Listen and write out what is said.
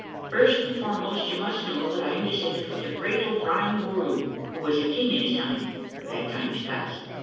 First and foremost, you must know that I am descended from the great O'Brien Borru, who was a king in his time, but that time's past.